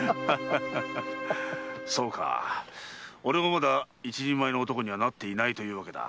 そうか俺もまだ一人前の男にはなってないというわけだ。